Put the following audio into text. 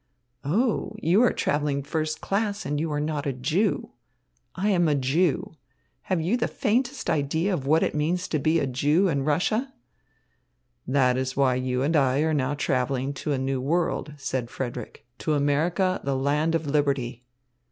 "Oh, you are travelling first class and you are not a Jew. I am a Jew. Have you the faintest idea of what it means to be a Jew in Russia?" "That is why you and I are now travelling to a new world," said Frederick, "to America, the land of liberty."